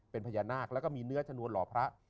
เป็นพญานาคแล้วก็มีเนื้อชนวนหล่อพระ